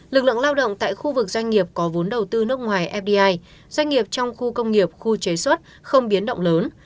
lực lượng lao động tại khu vực doanh nghiệp có vốn đầu tư nước ngoài fdi doanh nghiệp trong khu công nghiệp khu chế xuất không biến động lớn